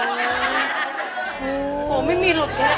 เป็นเรื่องราวของแม่นาคกับพี่ม่าครับ